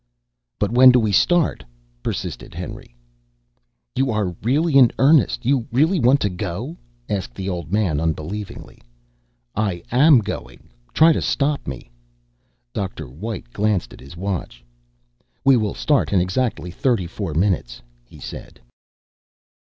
"But when do we start?" persisted Henry. "You are really in earnest? You really want to go?" asked the old man, unbelievingly. "I am going. Try to stop me." Dr. White glanced at his watch. "We will start in exactly thirty four minutes," he said.